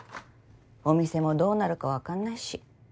お店もどうなるかわかんないし。